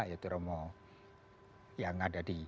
yaitu romo yang ada di